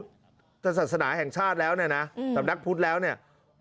ศาสนาแห่งชาติแล้วเนี่ยนะสำนักพุทธแล้วเนี่ย